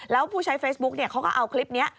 แล้วผู้ใช้เฟซบุ๊กเขาก็เอาคลิปนี้